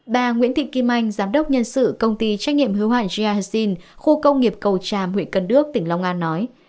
bà nguyễn thị kim anh giám đốc nhân sự công ty trách nhiệm hữu hoạn jiaxin khu công nghiệp cầu tràm huyện cần đước tỉnh long an nói